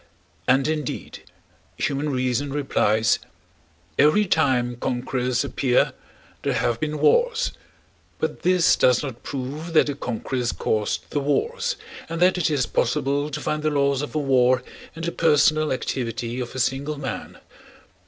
And, indeed, human reason replies: every time conquerors appear there have been wars, but this does not prove that the conquerors caused the wars and that it is possible to find the laws of a war in the personal activity of a single man.